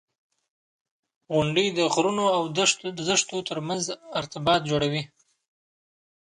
• غونډۍ د غرونو او دښتو ترمنځ ارتباط جوړوي.